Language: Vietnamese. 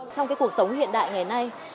trong cái cuộc sống hiện đại ngày nay